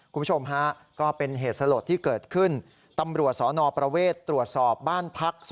คุณผู้ชมฮะก็เป็นเหตุสลดที่เกิดขึ้นตำรวจสนประเวทตรวจสอบบ้านพัก